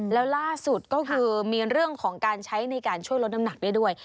แล้วล่าสุดก็คือมีเรื่องของการใช้ในการช่วยลดน้ำหนักได้ด้วย